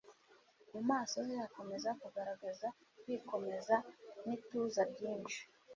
Mu maso he hakomeza kugaragaza kwikomeza n'ituza ryinshi,